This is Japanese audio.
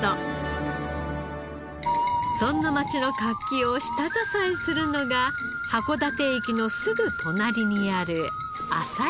そんな街の活気を下支えするのが函館駅のすぐ隣にある朝市です。